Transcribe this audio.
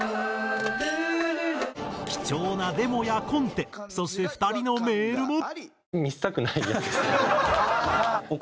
貴重なデモやコンテそして２人のメールも。